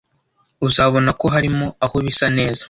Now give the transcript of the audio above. uzabona ko harimo aho bisa neza